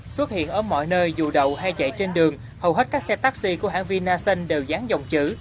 xuất hiện ở mọi nơi dù đậu hay chạy trên đường hầu hết các xe taxi của hãng vinasun đều dán dòng chữ